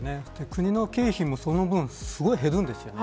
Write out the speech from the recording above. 国の経費もその分すごく減るんです。